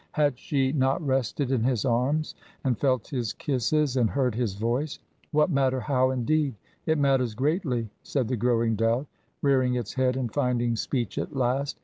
Had she not rested in his arms, and felt his kisses and heard his voice? What matter how, indeed? It matters greatly, said the growing doubt, rearing its head and finding speech at last.